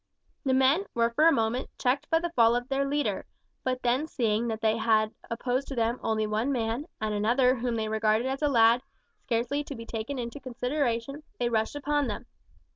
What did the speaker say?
The men were for a moment checked by the fall of their leader; but then seeing that they had opposed to them only one man, and another whom they regarded as a lad, scarcely to be taken into consideration, they rushed upon them.